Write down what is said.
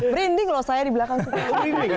berinding loh saya di belakang